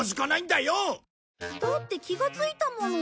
だって気がついたもの。